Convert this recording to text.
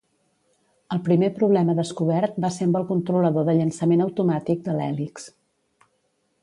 El primer problema descobert va ser amb el controlador de llançament automàtic de l'hèlix.